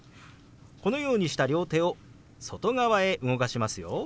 このようにした両手を外側へ動かしますよ。